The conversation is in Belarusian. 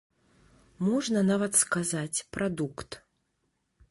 Можна нават сказаць, прадукт.